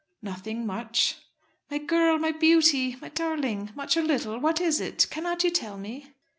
"Nothing, much." "My girl, my beauty, my darling! Much or little, what is it? Cannot you tell me?"